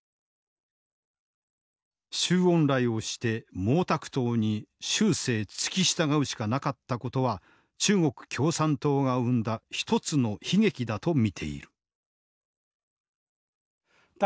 周恩来をして毛沢東に終生付き従うしかなかったことは中国共産党が生んだ一つの悲劇だと見ている。